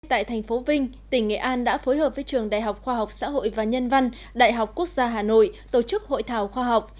tại thành phố vinh tỉnh nghệ an đã phối hợp với trường đại học khoa học xã hội và nhân văn đại học quốc gia hà nội tổ chức hội thảo khoa học